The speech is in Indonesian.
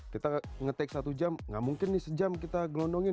kita ngetek satu jam nggak mungkin nih sejam kita gelondongin